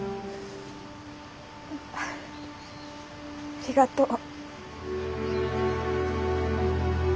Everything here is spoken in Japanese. ありがとう。